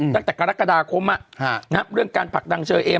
ตั้งแต่กรกฎาคมเรื่องการผลักดังเชอเอม